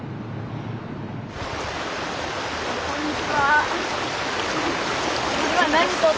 こんにちは。